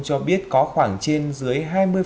cho biết có khoảng trên dưới hai mươi